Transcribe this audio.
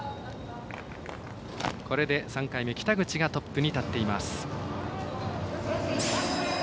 これで、３回目北口がトップに立っています。